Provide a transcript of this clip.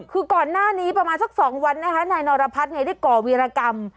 คือก่อนหน้านี้ประมาณสัก๒วันนะคะนายนรพัฒน์ได้ก่อวีรกรรม